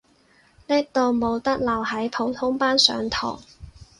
叻到冇得留喺普通班上堂